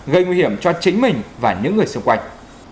gây nguy hiểm cho chính mình và những người xung quanh